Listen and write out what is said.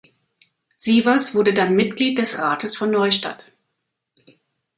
Sievers wurde dann Mitglied des Rates von Neustadt.